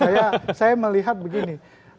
ya saya melihat begini